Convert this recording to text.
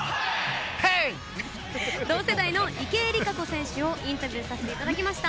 同世代の池江璃花子選手をインタビューさせていただきました。